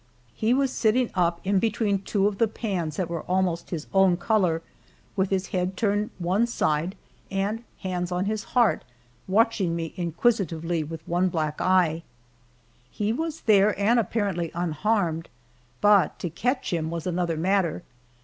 He was sitting up in between two of the pans that were almost his own color, with his head turned one side, and "hands on his heart," watching me inquisitively with one black eye. He was there and apparently unharmed, but to catch him was another matter.